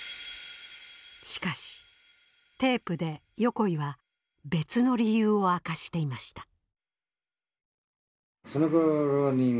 しかしテープで横井は別の理由を明かしていました。